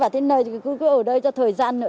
tôi cứ ở đây cho thời gian nữa